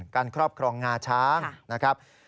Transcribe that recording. การครอบครองงาช้าง